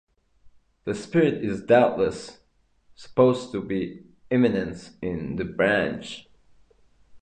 The spirit is doubtless supposed to be immanent in the branch.